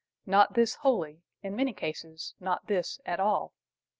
Not this wholly, in many cases not this at all.